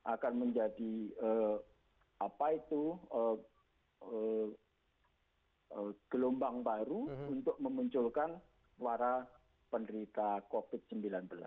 akan menjadi gelombang baru untuk memunculkan warah penderita covid sembilan belas